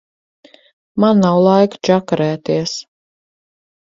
Man nav laika čakarēties.